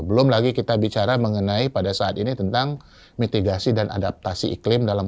belum lagi kita bicara mengenai pada saat ini tentang mitigasi dan adaptasi iklim dalam